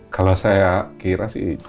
kalau saya kira sih